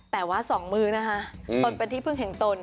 แต่ว่าสองมือนะคะตนเป็นที่พึ่งแห่งตน